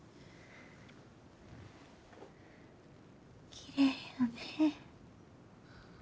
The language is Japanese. きれいやね。